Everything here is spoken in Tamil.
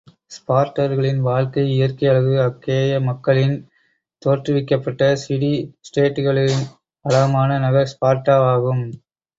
ஸ்பார்ட்டர்களின் வாழ்க்கை இயற்கை அழகு அக்கேய மக்களால் தோற்றுவிக்கப்பட்ட சிடி ஸ்டேட்டுகளில் வளமான நகர் ஸ்பார்ட்டா வாகும்.